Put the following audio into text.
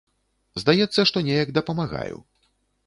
Здаецца, што неяк дапамагаю.